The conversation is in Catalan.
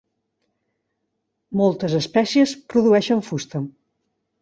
Moltes espècies produeixen fusta.